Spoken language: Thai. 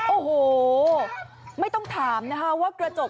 โอ้โหไม่ต้องถามนะคะว่ากระจก